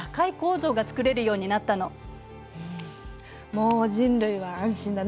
もう人類は安心だね。